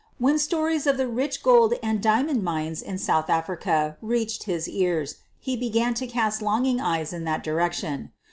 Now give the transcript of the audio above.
When stories of the rich gold and diamond mines in South Africa reached his ears he began to cast longing eyes in that direction.